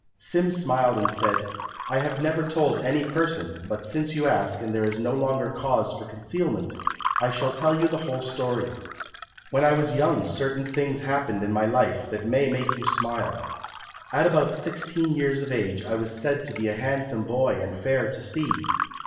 Sim smiled and said, "I have never told any person, but since you ask and there is no longer cause for concealment, I shall tell you the whole story. When I was young certain things happened in my life that may make you smile. "At about sixteen years of age I was said to be a handsome boy and fair to see.